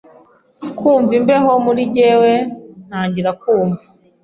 kumva imbeho muri njyewe ntangira kumva